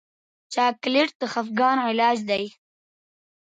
چاکلېټ د خفګان علاج دی.